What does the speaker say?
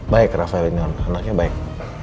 tahu nih papa raphael ini anaknya baik